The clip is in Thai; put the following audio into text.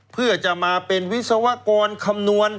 เพื่อจะมาเป็นวิศวกรคำนวณ